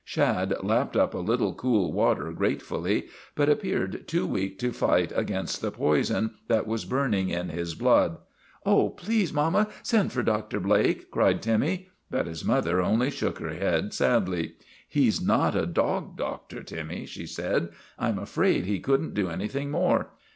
Shad lapped up a little cool water grate fully, but appeared too weak to fight against the poison that was burning in his blood. " Oh, please, mama, send for Dr. Blake," cried Timmy. But his mother only shook her head sadly. " He 's not a dog doctor, Timmy," she said. 1 1 'm afraid he could n't do anything more.